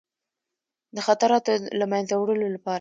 د خطراتو له منځه وړلو لپاره.